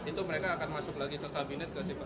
itu mereka akan masuk lagi ke kabinet gak sih pak